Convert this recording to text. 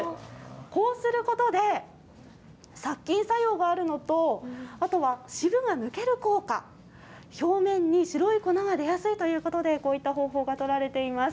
こうすることで、殺菌作用があるのと、あとは渋が抜ける効果、表面に白い粉が出やすいということで、こういった方法が取られています。